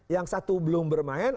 yang satu belum bermain